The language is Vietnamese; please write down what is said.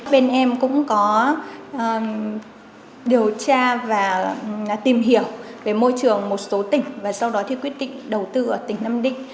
bên em cũng có điều tra và tìm hiểu về môi trường một số tỉnh và sau đó thì quyết định đầu tư ở tỉnh nam định